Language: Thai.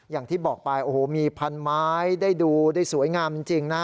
อย่างที่บอกไปโอ้โหมีพันไม้ได้ดูได้สวยงามจริงนะ